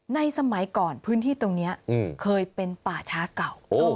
สมัยก่อนพื้นที่ตรงนี้เคยเป็นป่าช้าเก่า